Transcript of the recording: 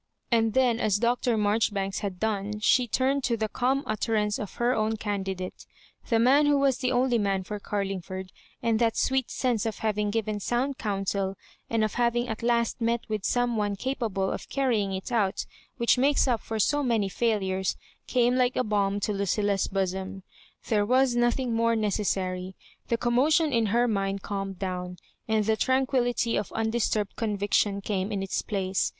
And then, as Br. Marjoribanks had done, she turned to the calm utterance of her own candi date — the man who was the only man for Car lingford— and that sweet sense of having given sound counsel, and of having at last met with some one capable of carrying it out which makes up for so many failures, came like balm to Lu cilla's bosom. There was nothing more neces sary ; the commotion in her mind calmed down, and the tranquillity of undisturbed conviction came in its place.